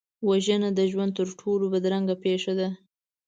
وژنه د ژوند تر ټولو بدرنګه پېښه ده